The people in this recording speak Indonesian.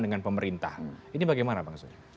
dengan pemerintah ini bagaimana bang surya